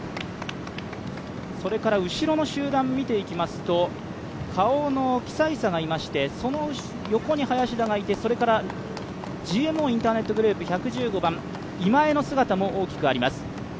後ろの集団を見ていきますとＫａｏのキサイサがいまして、横に林田がいましてＧＭＯインターネットグループ、１１５番、今江の姿も大きくあります。